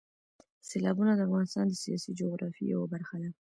سیلابونه د افغانستان د سیاسي جغرافیې یوه برخه ده.